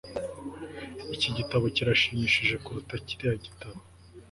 iki gitabo kirashimishije kuruta kiriya gitabo